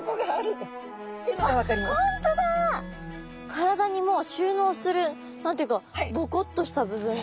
体にもう収納する何て言うかぼこっとした部分というか。